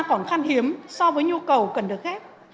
còn khăn hiếm so với nhu cầu cần được ghép